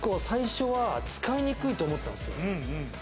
最初は使いにくいと思ったんですよ。